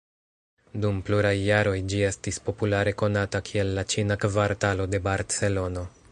Dum pluraj jaroj ĝi estis populare konata kiel la Ĉina Kvartalo de Barcelono.